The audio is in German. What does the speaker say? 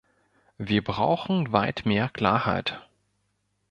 Wir brauchen weit mehr Klarheit.